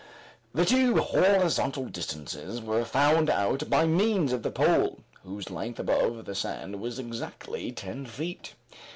The two horizontal distances were found out by means of the pole, whose length above the sand was exactly ten feet.